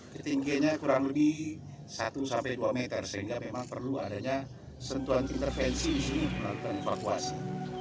ketinggiannya kurang lebih satu sampai dua meter sehingga memang perlu adanya sentuhan intervensi di sini melakukan evakuasi